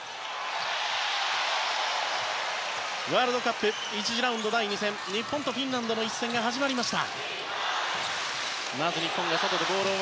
ワールドカップ１次ラウンド第２戦日本とフィンランドの一戦が始まりました。